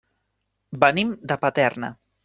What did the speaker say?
Venim de Paterna.